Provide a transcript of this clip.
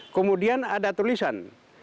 kemudian ada tulisan